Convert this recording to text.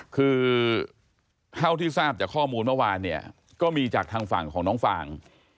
คือเท่าที่ทราบจากข้อมูลเมื่อวานเนี่ยก็มีจากทางฝั่งของน้องฟาง